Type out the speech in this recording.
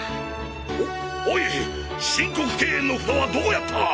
おおい申告敬遠の札はどこやった！？